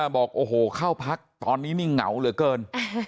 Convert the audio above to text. บอกโอ้โหเข้าพักตอนนี้นี่เหงาเหลือเกิน